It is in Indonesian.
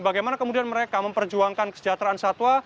bagaimana kemudian mereka memperjuangkan kesejahteraan satwa